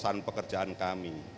selamatkan semua pekerjaan kami